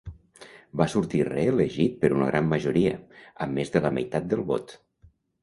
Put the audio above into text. Va sortir reelegit per una gran majoria, amb més de la meitat del vot.